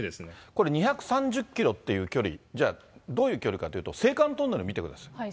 これ２３０キロという距離、じゃあ、どういう距離かというと、青函トンネル見てください。